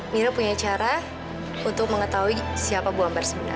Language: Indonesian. mira punya cara untuk mengetahui siapa bu ambar sebenarnya